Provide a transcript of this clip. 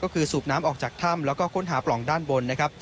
ก็คือสูบน้ำออกจากถ้ำแล้วก็ค้นหาปล่องด้านบนนะครับ